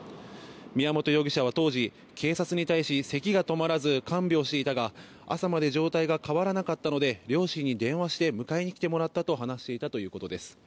宮本容疑者は当時、警察に対しせきが止まらず看病していたが朝まで状態が変わらなかったので両親に電話して迎えに来てもらったと話していたということです。